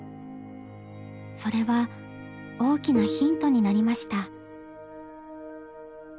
それは大きなヒントになりました。